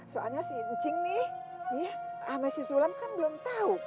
soalnya si incing nih ya sama si sulam kan belum tau